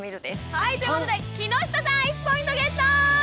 はいということで木下さん１ポイントゲット！